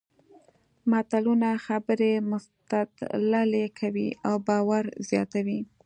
متلونه خبرې مستدللې کوي او باور زیاتوي